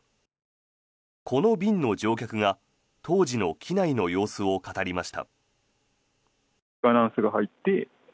この便の乗客が当時の機内の様子を語りました。